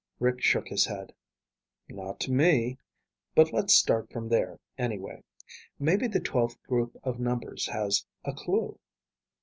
Rick shook his head. "Not to me. But let's start from there, anyway. Maybe the twelfth group of numbers has a clue."